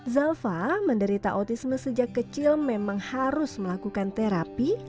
zalfa menderita autisme sejak kecil memang harus melakukan terapi